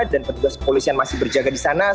dan petugas polisi yang masih berjaga di sana